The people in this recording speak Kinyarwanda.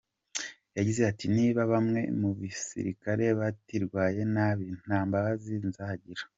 Yagize ati “Niba bamwe mu basirikare baritwaye nabi, nta mbabazi nzagira.